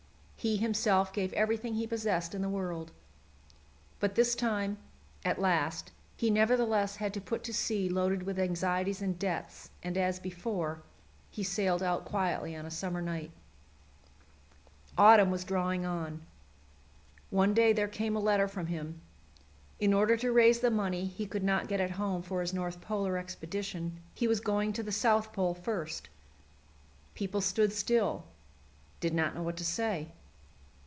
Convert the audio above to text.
He himself gave everything he possessed in the world. But this time, as last, he nevertheless had to put to sea loaded with anxieties and debts, and, as before, he sailed out quietly on a summer night. Autumn was drawing on. One day there came a letter from him. In order to raise the money he could not get at home for his North Polar expedition he was going to the South Pole first. People stood still did not know what to say.